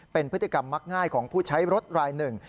เป็นพฤติกรรมมักง่ายของผู้ใช้รถรายหนึ่ง